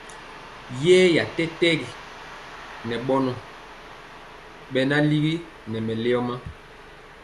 Yeeya tɛtɛgi ŋɛ bɔnɔ bɛ ligi nɛ mɛleoma.